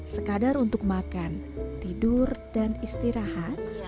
sekadar untuk makan tidur dan istirahat